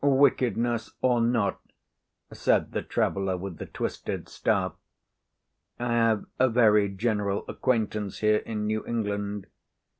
"Wickedness or not," said the traveller with the twisted staff, "I have a very general acquaintance here in New England.